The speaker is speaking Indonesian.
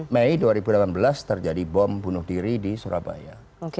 mei dua ribu delapan belas terjadi bom bunuh diri di surabaya